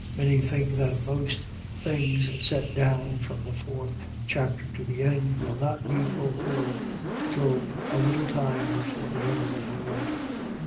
Many think that most things set down from the 4th chapter to the end, will not be fulfilled till a little time before the end of the world.